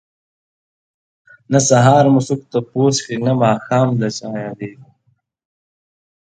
نه سهار مو څوک تپوس کړي نه ماښام د چا ياديږو